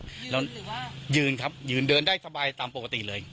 ยืนหรือว่ายืนครับยืนเดินได้สบายตามปกติเลย